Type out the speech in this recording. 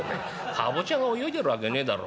かぼちゃが泳いでるわけねえだろ。